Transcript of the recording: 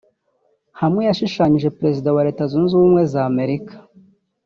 Hamwe yashushanyije Perezida wa Leta Zunze Ubumwe za Amerika